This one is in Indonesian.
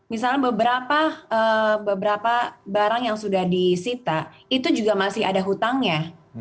misalnya beberapa barang yang sudah disita itu juga masih ada hutangnya